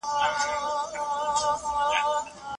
حکومت د بهرنیو پانګونو د خوندیتوب تضمین نه هېروي.